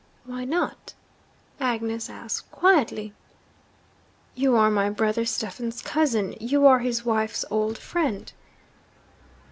'Why not?' Agnes asked quietly. 'You are my brother Stephen's cousin; you are his wife's old friend.'